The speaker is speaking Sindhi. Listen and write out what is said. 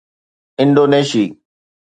انڊونيشي